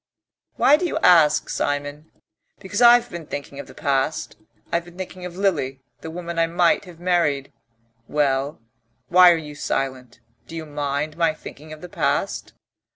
"Why do you ask, Simon?" "Because I've been thinking of the past. I've been thinking of Lily, the woman I might have married.... Well, why are you silent? Do you mind my thinking of the past?"